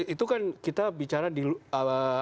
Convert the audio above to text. itu kan kita bicara di apa namanya dinamika yang sedang berjalan